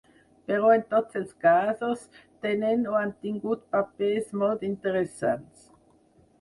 Però en tots els casos tenen o han tingut papers molt interessants.